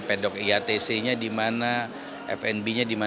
pedok iatc nya di mana fnb nya di mana